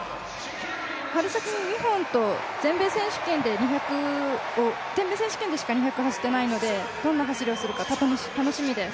春先に２本と、全米でしか２００を走っていないので、どんな走りをするか楽しみです。